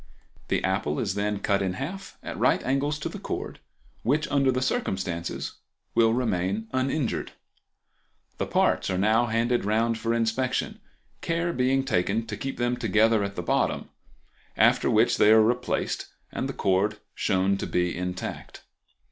The apple is then cut in half, at right angles to the cord, which under the circumstances will remain uninjured. The parts are now handed round for inspection, care being taken to keep them together at the bottom, after which they are replaced and the cord shown to be intact.